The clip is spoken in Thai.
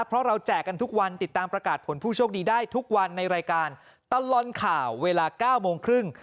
เพราะเราแจกกันทุกวันติดตามประกาศผลผู้โชคดีได้ทุกวันในรายการตลอดข่าวเวลา๙โมงครึ่ง